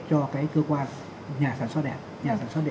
cho cái cơ quan nhà sản xuất điện